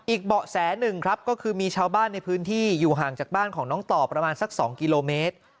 เบาะแสหนึ่งครับก็คือมีชาวบ้านในพื้นที่อยู่ห่างจากบ้านของน้องต่อประมาณสัก๒กิโลเมตร